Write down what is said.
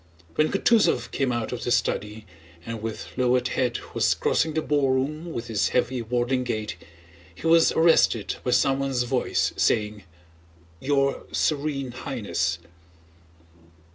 When Kutúzov came out of the study and with lowered head was crossing the ballroom with his heavy waddling gait, he was arrested by someone's voice saying: "Your Serene Highness!"